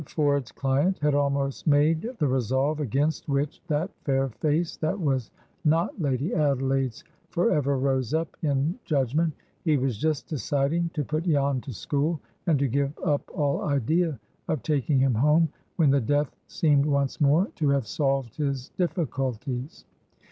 Ford's client had almost made the resolve against which that fair face that was not Lady Adelaide's for ever rose up in judgment: he was just deciding to put Jan to school, and to give up all idea of taking him home, when death seemed once more to have solved his difficulties.